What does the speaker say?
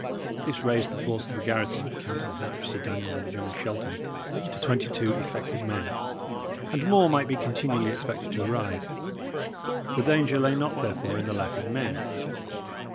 This raised the force of the garrison, counting Hatch, Sir Daniel, and young Shelton, to twenty two effective men. And more might be continually expected to arrive. The danger lay not therefore in the lack of men.